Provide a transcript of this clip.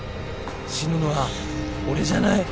死ぬのは俺じゃない。